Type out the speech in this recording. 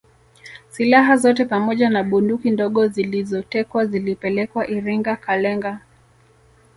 Silaha zote pamoja na bunduki ndogo zilizotekwa zilipelekwa Iringa Kalenga